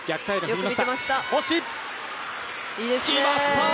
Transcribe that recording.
星、きました！